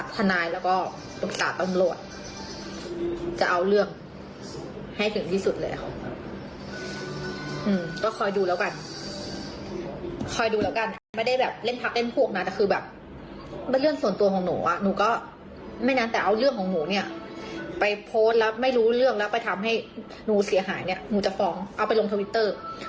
ที่ทำให้หนูเสียหายเนี่ยหนูจะฟ้องเอาไปลงทวิตเตอร์